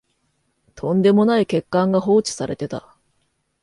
とんでもない欠陥が放置されてた